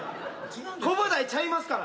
コブダイちゃいますから。